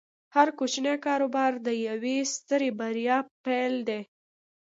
هر کوچنی کاروبار د یوې سترې بریا پیل دی۔